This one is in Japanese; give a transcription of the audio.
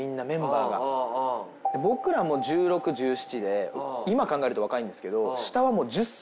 僕らもう１６１７で今考えると若いんですけど下は１０歳とか。